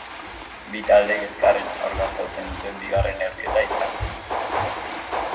Bi taldeek elkarren aurka jokatzen duten bigarren neurketa izango da.